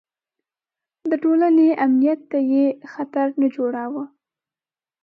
د ټولنې امنیت ته یې خطر نه جوړاوه.